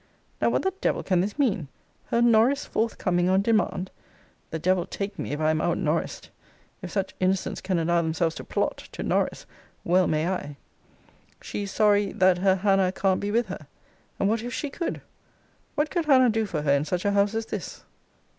Now, what the devil can this mean! Her Norris forthcoming on demand! the devil take me, if I am out Norris'd! If such innocents can allow themselves to plot (to Norris), well may I. * See Vol. IV. Letter II. She is sorry, that 'her Hannah can't be with her.' And what if she could? What could Hannah do for her in such a house as this?